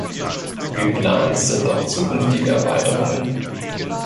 Geplant sind auch zukünftige Erweiterungen.